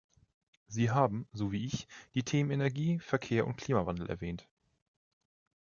Sie haben, so wie ich, die Themen Energie, Verkehr und Klimawandel erwähnt.